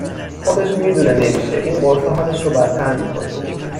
خودش میدونه نمیشه این قرصا حالش رو بدتر میکنه